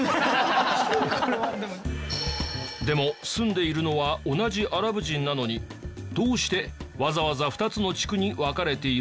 でも住んでいるのは同じアラブ人なのにどうしてわざわざ２つの地区に分かれているの？